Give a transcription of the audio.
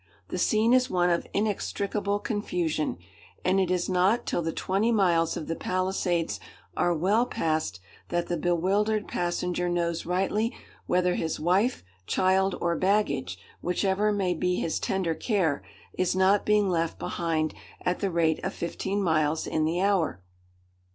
The scene is one of inextricable confusion, and it is not till the twenty miles of the Palisades are well passed, that the bewildered passenger knows rightly whether his wife, child, or baggage, whichever may be his tender care, is not being left behind at the rate of fifteen miles in the hour.